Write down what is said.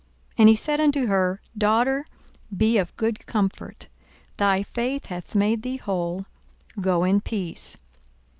42:008:048 And he said unto her, Daughter, be of good comfort: thy faith hath made thee whole; go in peace.